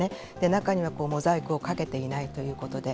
中には、モザイクをかけていないということで。